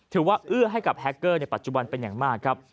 เอื้อให้กับแฮคเกอร์ในปัจจุบันเป็นอย่างมากครับ